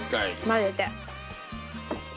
混ぜて。